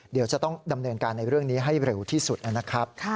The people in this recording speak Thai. เดี๋ยวจะต้องดำเนินการในเรื่องนี้ให้เร็วที่สุดนะครับ